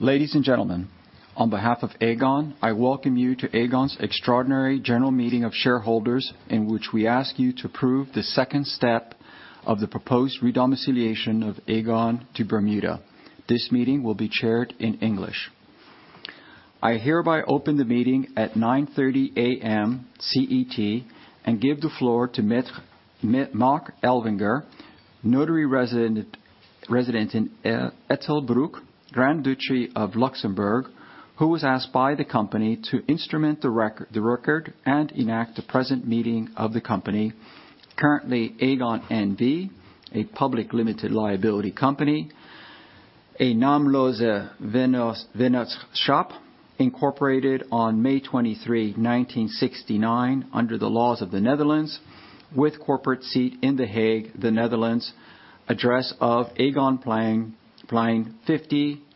Ladies and gentlemen, on behalf of Aegon, I welcome you to Aegon's Extraordinary General Meeting of Shareholders, in which we ask you to approve the second step of the proposed redomiciliation of Aegon to Bermuda. This meeting will be chaired in English. I hereby open the meeting at 9:30 A.M. CET, and give the floor to Marc Elvinger, notary resident in Ettelbruck, Grand Duchy of Luxembourg, who was asked by the company to instrument the record and enact the present meeting of the company. Currently, Aegon N.V., a public limited liability company, a Naamloze Nennootschap, incorporated on May 23, 1969, under the laws of the Netherlands, with corporate seat in The Hague, the Netherlands. Address of Aegonplein,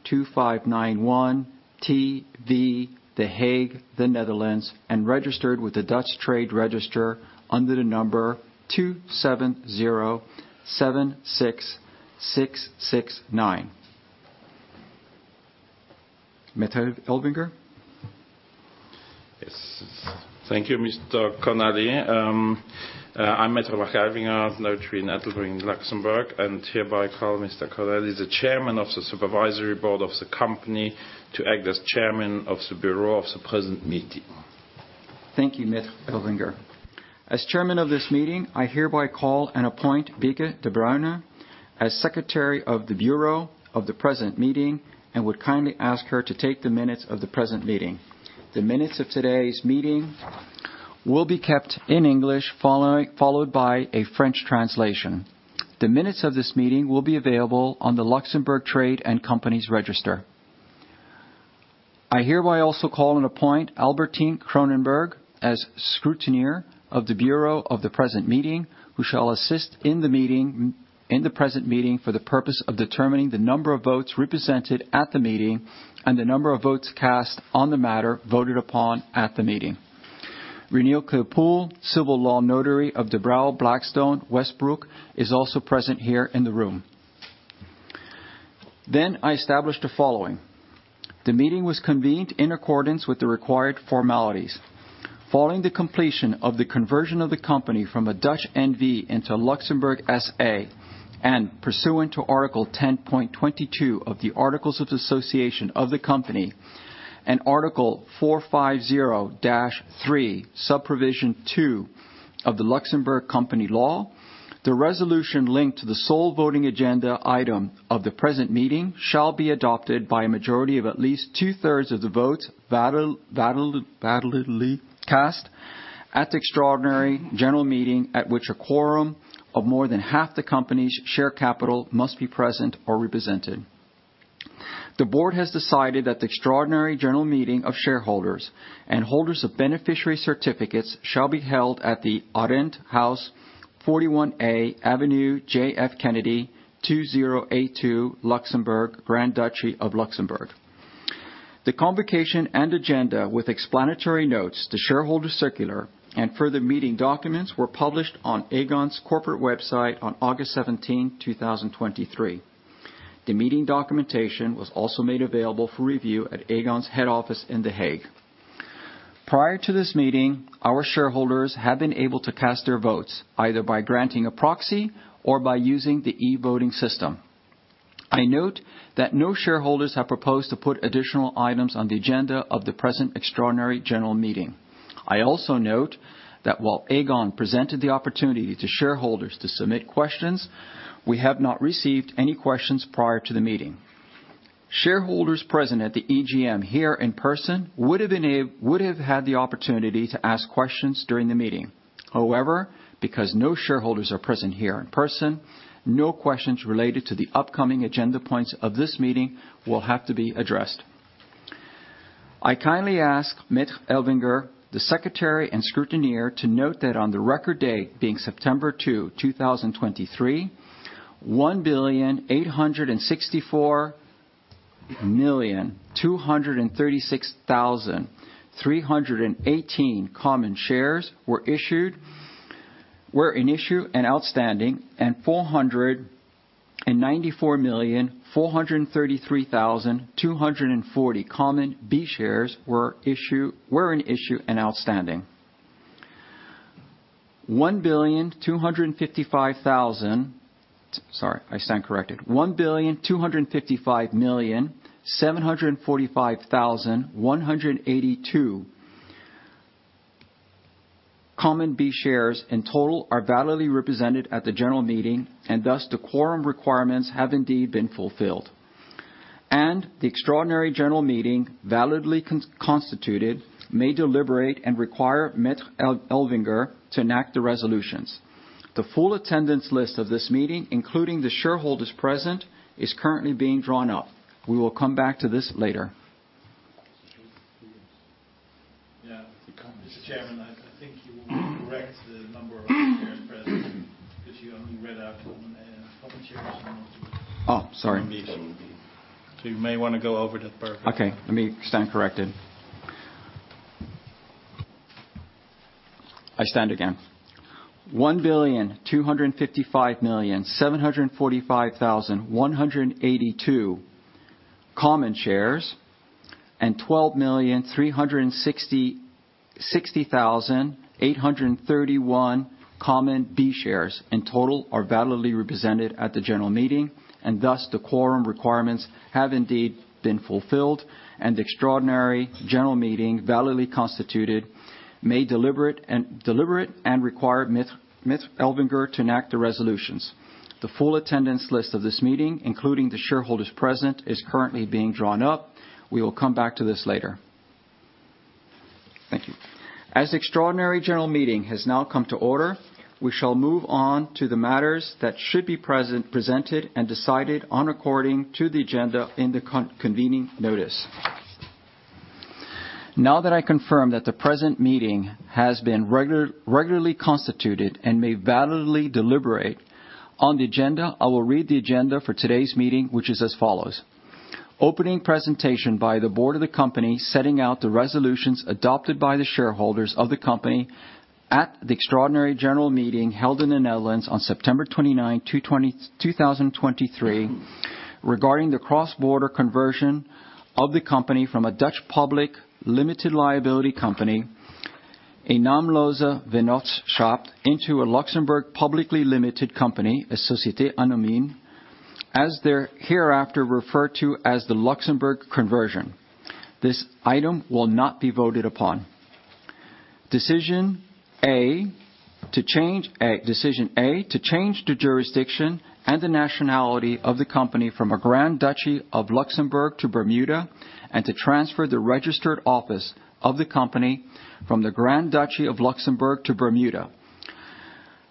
Plein 2591 TV, The Hague, the Netherlands, and registered with the Dutch Trade Register under the number 27076669. Marc Elvinger? Yes. Thank you, Mr. Connelly. I'm Marc Elvinger, notary in Ettelbruck in Luxembourg, and hereby call Mr. Connelly, the chairman of the supervisory board of the company, to act as chairman of the bureau of the present meeting. Thank you, Marc Elvinger. As chairman of this meeting, I hereby call and appoint Bieke de Bruijne as Secretary of the Bureau of the present meeting, and would kindly ask her to take the minutes of the present meeting. The minutes of today's meeting will be kept in English, followed by a French translation. The minutes of this meeting will be available on the Luxembourg Trade and Companies Register. I hereby also call and appoint Albertine Kronenberg as scrutineer of the Bureau of the present meeting, who shall assist in the meeting, in the present meeting, for the purpose of determining the number of votes represented at the meeting and the number of votes cast on the matter voted upon at the meeting. Reinier Kleipool, civil law notary of De Brauw Blackstone Westbroek, is also present here in the room. Then, I establish the following: the meeting was convened in accordance with the required formalities. Following the completion of the conversion of the company from a Dutch N.V. into Luxembourg S.A., and pursuant to Article 10.22 of the Articles of Association of the company and Article 450-3, subprovision two of the Luxembourg Company Law. The resolution linked to the sole voting agenda item of the present meeting shall be adopted by a majority of at least 2/3 of the votes validly cast at the extraordinary general meeting, at which a quorum of more than half the company's share capital must be present or represented. The board has decided that the extraordinary general meeting of shareholders and holders of beneficiary certificates shall be held at the Arendt House, 41A, Avenue J.F. Kennedy, 2082, Luxembourg, Grand Duchy of Luxembourg. The convocation and agenda, with explanatory notes, the shareholder circular, and further meeting documents were published on Aegon's corporate website on August 17, 2023. The meeting documentation was also made available for review at Aegon's head office in The Hague. Prior to this meeting, our shareholders have been able to cast their votes, either by granting a proxy or by using the e-voting system. I note that no shareholders have proposed to put additional items on the agenda of the present extraordinary general meeting. I also note that while Aegon presented the opportunity to shareholders to submit questions, we have not received any questions prior to the meeting. Shareholders present at the EGM here in person would have had the opportunity to ask questions during the meeting. However, because no shareholders are present here in person, no questions related to the upcoming agenda points of this meeting will have to be addressed. I kindly ask Marc Elvinger, the secretary and scrutineer, to note that on the record date, being September 2, 2023, 1,864,236,318 common shares were in issue and outstanding, and 494,433,240 Common Shares B were in issue and outstanding. 1,255,745,182 Common Shares B in total are validly represented at the general meeting, and thus the quorum requirements have indeed been fulfilled. The extraordinary general meeting, validly constituted, may deliberate and require Marc Elvinger to enact the resolutions. The full attendance list of this meeting, including the shareholders present, is currently being drawn up. We will come back to this later. Yeah. Mr. Chairman, I think you were correct, the number of shares present, because you only read out the common shares. Oh, sorry. So you may want to go over that part. Okay, let me stand corrected... I stand again. 1,255,745,182 common shares, and 12,360,831 Common Shares B in total are validly represented at the general meeting, and thus the quorum requirements have indeed been fulfilled, and the extraordinary general meeting validly constituted, may deliberate and require Mr. Elvinger to enact the resolutions. The full attendance list of this meeting, including the shareholders present, is currently being drawn up. We will come back to this later. Thank you. As extraordinary general meeting has now come to order, we shall move on to the matters that should be presented and decided on according to the agenda in the convening notice. Now that I confirm that the present meeting has been regularly constituted and may validly deliberate on the agenda, I will read the agenda for today's meeting, which is as follows: Opening presentation by the board of the company, setting out the resolutions adopted by the shareholders of the company at the extraordinary general meeting held in the Netherlands on September 29, 2023, regarding the cross-border conversion of the company from a Dutch public limited liability company, a Naamloze Vennootschap, into a Luxembourg publicly limited company, a Société Anonyme, as they're hereafter referred to as the Luxembourg conversion. This item will not be voted upon. Decision A, to change the jurisdiction and the nationality of the company from the Grand Duchy of Luxembourg to Bermuda, and to transfer the registered office of the company from the Grand Duchy of Luxembourg to Bermuda.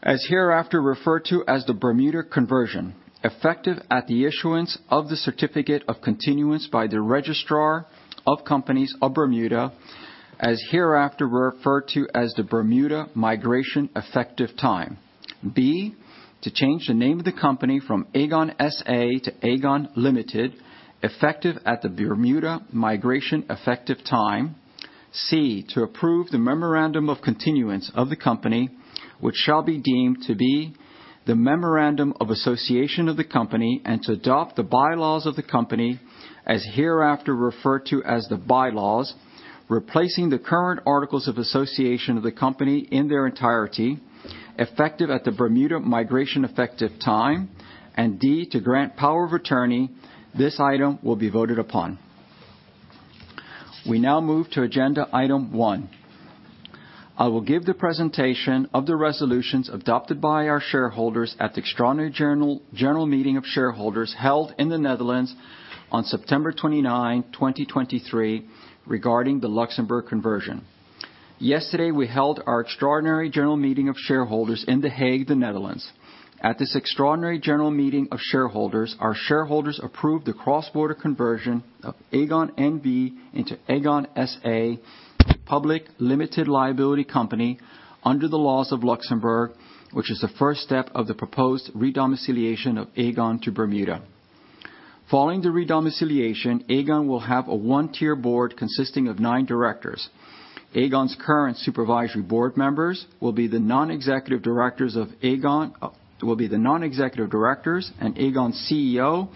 As hereafter referred to as the Bermuda conversion, effective at the issuance of the certificate of continuance by the Registrar of Companies of Bermuda, as hereafter referred to as the Bermuda migration effective time. B, to change the name of the company from Aegon S.A. to Aegon Ltd., effective at the Bermuda migration effective time. C, to approve the memorandum of continuance of the company, which shall be deemed to be the memorandum of association of the company, and to adopt the by-laws of the company, as hereafter referred to as the by-laws, replacing the current Articles of Association of the company in their entirety, effective at the Bermuda migration effective time. D, to grant power of attorney. This item will be voted upon. We now move to agenda item one. I will give the presentation of the resolutions adopted by our shareholders at the extraordinary general meeting of shareholders held in the Netherlands on September 29, 2023, regarding the Luxembourg conversion. Yesterday, we held our Extraordinary General Meeting of shareholders in The Hague, the Netherlands. At this Extraordinary General Meeting of shareholders, our shareholders approved the cross-border conversion of Aegon N.V. into Aegon S.A., Public Limited Company under the laws of Luxembourg, which is the first step of the proposed redomiciliation of Aegon to Bermuda. Following the redomiciliation, Aegon will have a one-tier board consisting of nine directors. Aegon's current supervisory board members will be the non-executive directors of Aegon, will be the non-executive directors, and Aegon's CEO,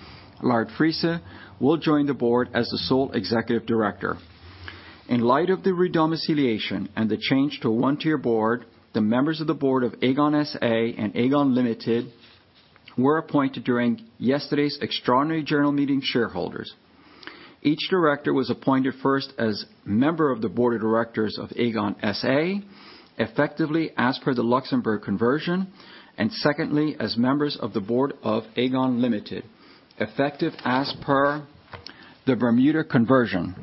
Lard Friese, will join the board as the sole executive director. In light of the redomiciliation and the change to a one-tier board, the members of the board of Aegon S.A. and Aegon Ltd. were appointed during yesterday's Extraordinary General Meeting shareholders. Each director was appointed first as member of the board of directors of Aegon S.A., effectively as per the Luxembourg conversion, and secondly, as members of the board of Aegon Ltd., effective as per the Bermuda conversion.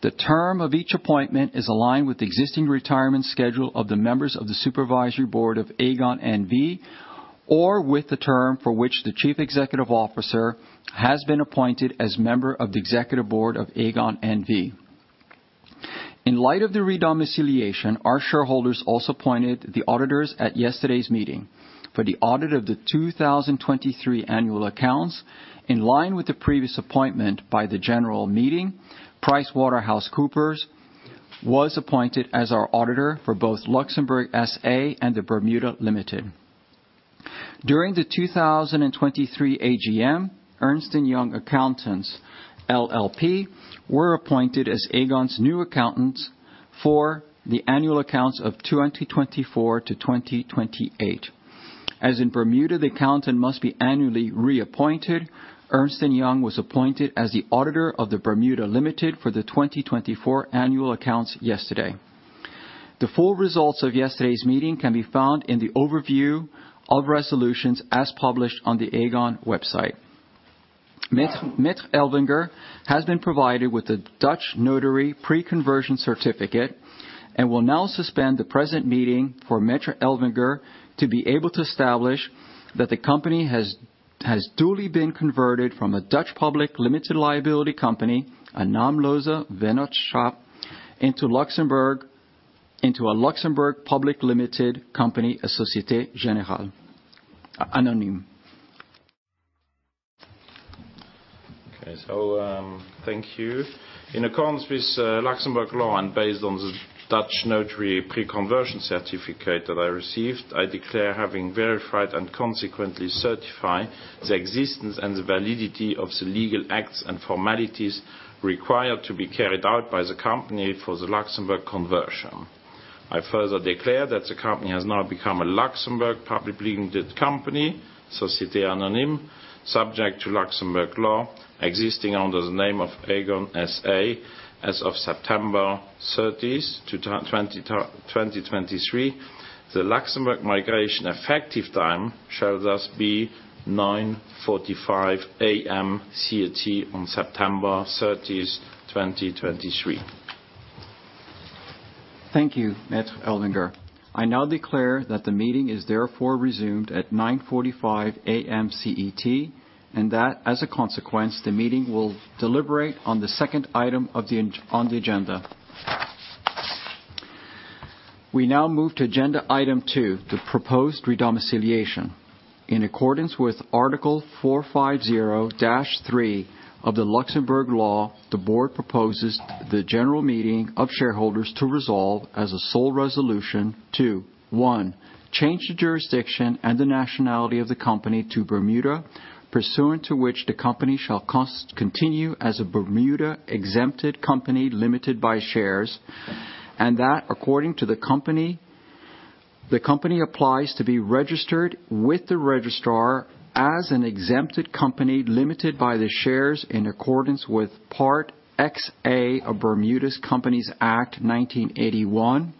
The term of each appointment is aligned with the existing retirement schedule of the members of the supervisory board of Aegon NV, or with the term for which the Chief Executive Officer has been appointed as member of the executive board of Aegon NV. In light of the redomiciliation, our shareholders also appointed the auditors at yesterday's meeting. For the audit of the 2023 annual accounts, in line with the previous appointment by the general meeting, PricewaterhouseCoopers was appointed as our auditor for both Luxembourg S.A. and the Bermuda Ltd. During the 2023 AGM, Ernst & Young Accountants LLP were appointed as Aegon's new accountants for the annual accounts of 2024-2028. As in Bermuda, the accountant must be annually reappointed. Ernst & Young was appointed as the auditor of the Bermuda Limited for the 2024 annual accounts yesterday. The full results of yesterday's meeting can be found in the overview of resolutions as published on the Aegon website. Mr. Elvinger has been provided with a Dutch notary pre-conversion certificate and will now suspend the present meeting for Mr. Elvinger to be able to establish that the company has duly been converted from a Dutch Public Limited Company, a Naamloze ennootschap, into a Luxembourg Public Limited Company, a Société Anonyme. Okay, so, thank you. In accordance with Luxembourg law and based on the Dutch notary pre-conversion certificate that I received, I declare having verified and consequently certify the existence and the validity of the legal acts and formalities required to be carried out by the company for the Luxembourg conversion. I further declare that the company has now become a Luxembourg publicly limited company, Société Anonyme, subject to Luxembourg law, existing under the name of Aegon S.A. as of September thirtieth, 2023. The Luxembourg migration effective time shall thus be 9:45 A.M. CET on September thirtieth, 2023. Thank you, Maître Elvinger. I now declare that the meeting is therefore resumed at 9:45 A.M. CET, and that as a cnsequence, the meeting will deliberate on the second item on the agenda. We now move to agenda item 2, the proposed redomiciliation. In accordance with Article 450-3 of the Luxembourg law, the Board proposes the general meeting of shareholders to resolve as a sole resolution to, 1, change the jurisdiction and the nationality of the company to Bermuda, pursuant to which the company shall continue as a Bermuda exempted company, limited by shares, and that according to the company, the company applies to be registered with the registrar as an exempted company, limited by the shares in accordance with Part XA of Bermuda's Companies Act 1981,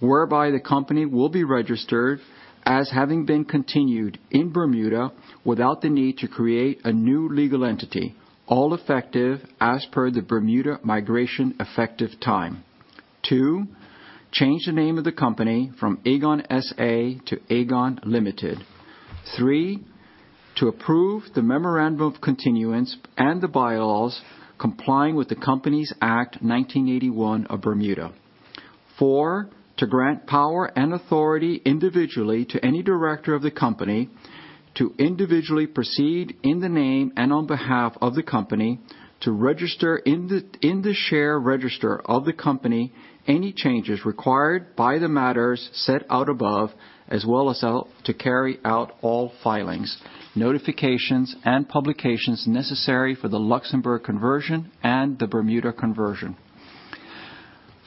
whereby the company will be registered as having been continued in Bermuda without the need to create a new legal entity, all effective as per the Bermuda migration effective time. 2, change the name of the company from Aegon S.A. to Aegon Limited. Three, to approve the memorandum of continuance and the by-laws complying with the Companies Act 1981 of Bermuda. Four, to grant power and authority individually to any director of the company, to individually proceed in the name and on behalf of the company, to register in the share register of the company, any changes required by the matters set out above, as well as to carry out all filings, notifications, and publications necessary for the Luxembourg conversion and the Bermuda conversion.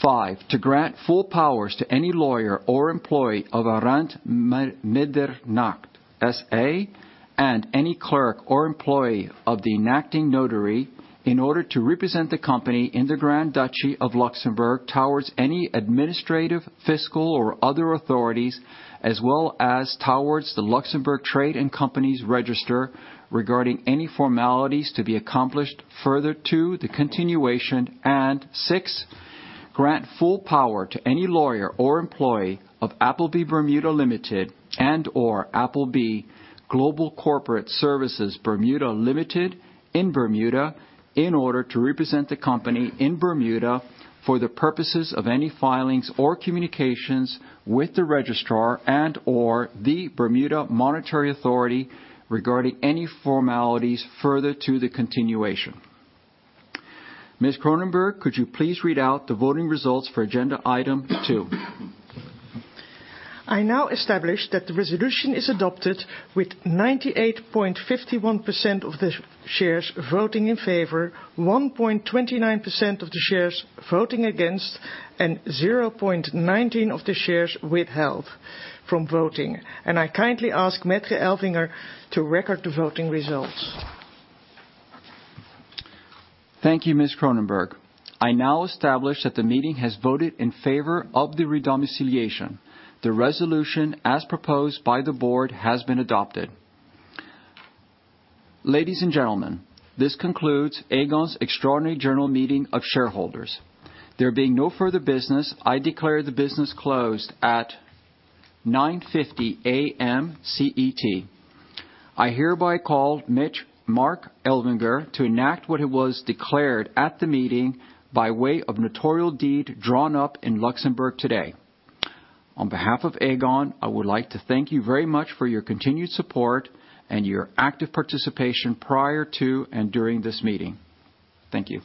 Five, to grant full powers to any lawyer or employee of Arendt & Medernach S.A. and any clerk or employee of the enacting notary in order to represent the company in the Grand Duchy of Luxembourg, towards any administrative, fiscal or other authorities, as well as towards the Luxembourg Trade and Companies Register, regarding any formalities to be accomplished further to the continuation. And six, grant full power to any lawyer or employee of Appleby (Bermuda) Limited and/or Appleby Global Services Bermuda Limited in Bermuda, in order to represent the company in Bermuda for the purposes of any filings or communications with the registrar and/or the Bermuda Monetary Authority regarding any formalities further to the continuation. Ms. Kronenberg, could you please read out the voting results for agenda item two? I now establish that the resolution is adopted with 98.51% of the shares voting in favor, 1.29% of the shares voting against, and 0.19 of the shares withheld from voting. I kindly ask Maître Elvinger to record the voting results. Thank you, Ms. Kronenberg. I now establish that the meeting has voted in favor of the redomiciliation. The resolution, as proposed by the board, has been adopted. Ladies and gentlemen, this concludes Aegon's extraordinary general meeting of shareholders. There being no further business, I declare the business closed at 9:50 A.M. CET. I hereby call Marc Elvinger to enact what it was declared at the meeting by way of notarial deed, drawn up in Luxembourg today. On behalf of Aegon, I would like to thank you very much for your continued support and your active participation prior to and during this meeting. Thank you.